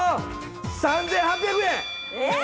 ３８００円。